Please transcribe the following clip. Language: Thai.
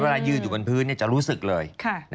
เวลายืนอยู่บนพื้นจะรู้สึกเลย